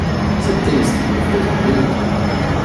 Ces téléskis peuvent être démontables.